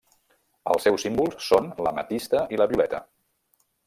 Els seus símbols són l'ametista i la violeta.